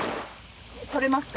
取れますか？